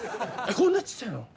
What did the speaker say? こんなちっちゃいの？